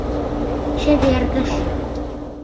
Чевергыш.